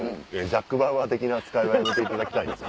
ジャック・バウアー的な扱いはやめていただきたいです。